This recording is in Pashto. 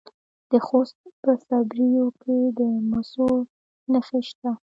د خوست په صبریو کې د مسو نښې شته.